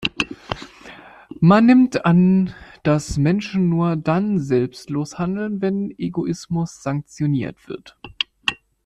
Man nimmt an, dass Menschen nur dann selbstlos handeln, wenn Egoismus sanktioniert wird.